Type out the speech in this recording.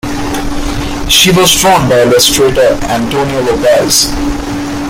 She was drawn by illustrator Antonio Lopez.